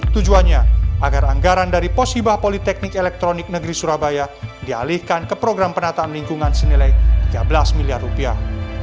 tujuannya agar anggaran dari posibah politeknik elektronik negeri surabaya dialihkan ke program penataan lingkungan senilai tiga belas miliar rupiah